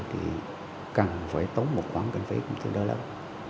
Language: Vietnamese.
thì cần phải tốn một khoản cảnh phí cũng thương đối lớn